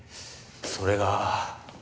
それが。